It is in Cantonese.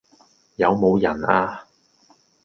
有冇人呀？